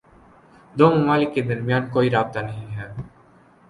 دو ممالک کے درمیان کوئی رابطہ نہیں ہے۔